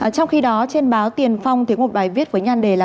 trong khi đó trên báo tiền phong thì một bài viết với nhan đề là